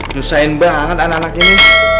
desain banget anak anak ini